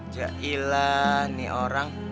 jai lah nih orang